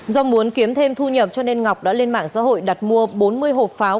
do muốn kiếm thêm thu nhập cho nên ngọc đã lên mạng xã hội đặt mua bốn mươi hộp pháo